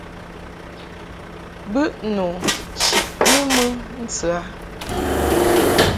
Bɨʼnu chiʼni mɨ ntɨ a.